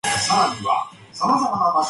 Bryant added, You guys know how I am.